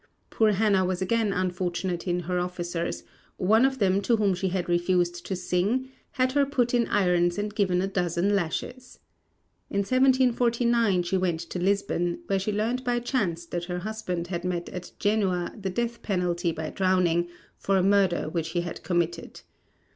Poor Hannah was again unfortunate in her officers; one of them to whom she had refused to sing had her put in irons and given a dozen lashes. In 1749 she went to Lisbon, where she learned by chance that her husband had met at Genoa the death penalty by drowning, for a murder which he had committed.